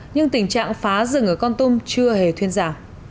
nhưng tình trạng phá rừng ở con tum chưa hề thuyên giảm